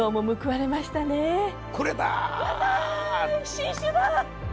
新種だ！